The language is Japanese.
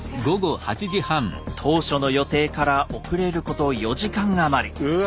当初の予定から遅れること４時間余り。